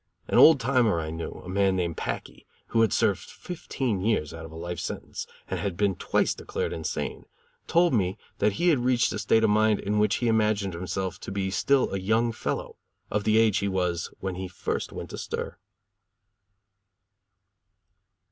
An old timer I knew, a man named Packey, who had served fifteen years out of a life sentence, and had been twice declared insane, told me that he had reached a state of mind in which he imagined himself to be still a young fellow, of the age he was when he first went to stir.